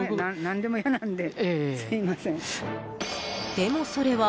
でもそれは］